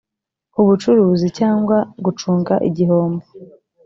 ubucuruzi cyangwa gucunga igihombo